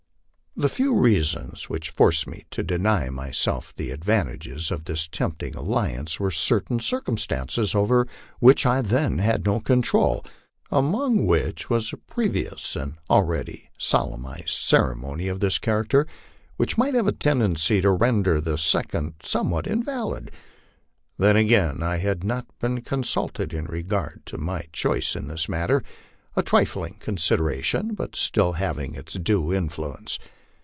The few reasons which forced me to deny myself the advantages of this tempting alliance were certain circumstances over which I then had no control, among which was a previous and already solem nized ceremony of this character, which might have a tendency to render the second somewhat invalid. Then, again, I had not been consulted in regard to my choice in this matter a trifling consideration, but still having its due influ ence.